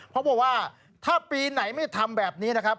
เขาบอกว่าถ้าปีไหนไม่ทำแบบนี้นะครับ